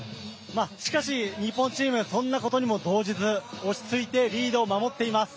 しかし日本チームそんなことにも動じず落ち着いてリードを守っています。